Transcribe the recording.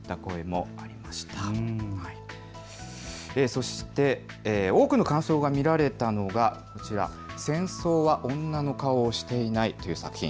そして多くの感想が見られたのがこちら、戦争は女の顔をしていないという作品。